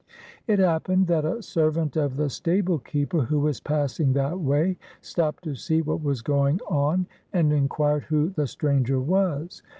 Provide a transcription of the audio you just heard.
It happened that a servant of the stable keeper, who was passing that way, stopped to see what was going on and inquired who the stranger was.